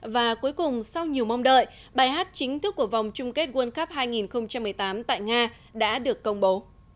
và cuối cùng sau nhiều mong đợi bài hát chính thức của vòng chung kết world cup hai nghìn một mươi tám tại nga đã được công bố